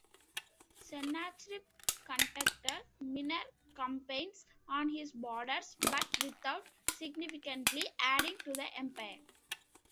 Sennacherib conducted minor campaigns on his borders, but without significantly adding to the empire.